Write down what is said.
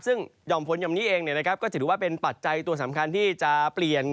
ซึ่งห่อมฝนหย่อมนี้เองก็ถือว่าเป็นปัจจัยตัวสำคัญที่จะเปลี่ยน